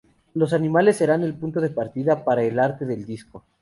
Los animales serán el punto de partida para el arte del disco.